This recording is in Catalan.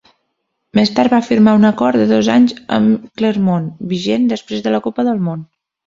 Més tard va firmar un acord de dos anys amb Clermont, vigent després de la Copa del Món.